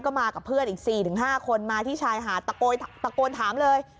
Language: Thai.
ก็มากับเพื่อนอีก๔๕คนมาที่ชายหาดตะโกนถามเลย